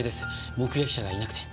目撃者がいなくて。